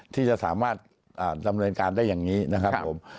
ที่จะสามารถดำเนินการได้อย่างนี้นะครับผม